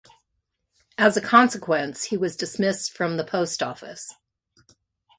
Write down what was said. As a consequence he was dismissed from the Post Office.